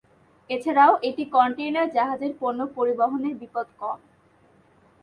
এছাড়াও, একটি কন্টেইনার জাহাজের পণ্য পরিবহনের বিপদ কম।